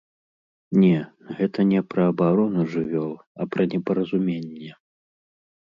Не, гэта не пра абарону жывёл, а пра непаразуменне.